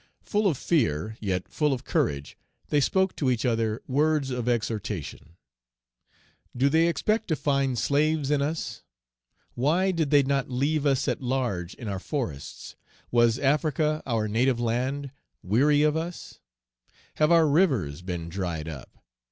Full of fear, yet full of courage, they spoke to each other words of exhortation: "Do they expect to find slaves in us? Why did they not leave us at large in our forests? Was Africa, our native land, weary of us? Have our rivers been dried up?